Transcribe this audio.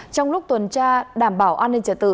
trong lúc tuần tra đảm bảo an ninh trả tự